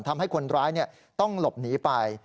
ทำให้คนร้ายต้องหลบหนีไป